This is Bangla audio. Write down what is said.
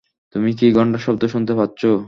তুমি কি ঘন্টার শব্দ শুনতে পাচ্ছো?